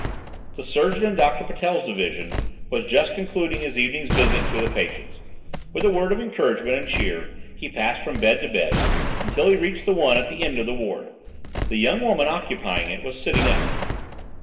The surgeon in Dr. Patel's division was just concluding his evening visit to the patients. With a word of encouragement and cheer he passed from bed to bed until he reached the one at the end of the ward. The young woman occupying it was sitting up.